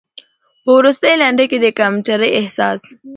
په وروستۍ لنډۍ کې د کمترۍ د احساس